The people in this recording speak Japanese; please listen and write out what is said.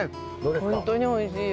本当においしい。